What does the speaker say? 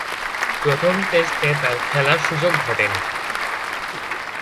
প্রথম টেস্টে তার খেলার সুযোগ ঘটেনি।